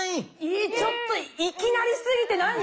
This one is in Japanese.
えちょっといきなりすぎてなに？